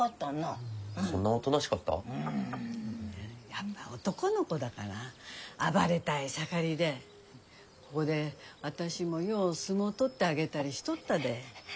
やっぱ男の子だから暴れたい盛りでここで私もよう相撲取ってあげたりしとったで。